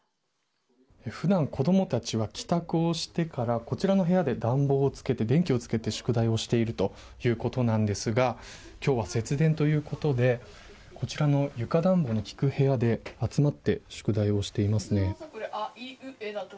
普段子供たちは帰宅をしてからこちらの部屋で暖房をつけて電気をつけて宿題をしているということなんですが今日は節電ということでこちらの床暖房の効く部屋で集まって、宿題をしていますね。